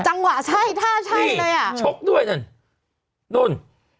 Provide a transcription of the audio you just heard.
จังหวะท่าใช่เลย